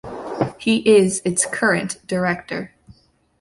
He is its current Director.